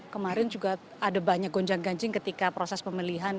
kemarin juga ada banyak gonjang ganjing ketika proses pemilihan